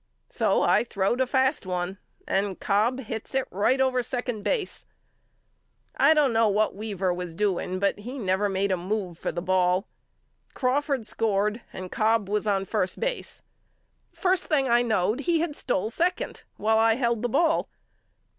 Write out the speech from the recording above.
So I throwed a fast one and Cobb hits it right over second base. I don't know what Weaver was doing but he never made a move for the ball. Crawford scored and Cobb was on first base. First thing I knowed he had stole second while I held the ball.